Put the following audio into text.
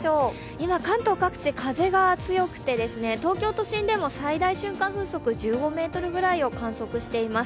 今、関東各地、風が強くて東京都心でも最大瞬間風速１５メートルぐらいを観測しています。